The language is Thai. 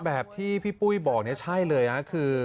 แบบที่พี่ปุ้ยบอกเนี่ยใช่เลยนะคือ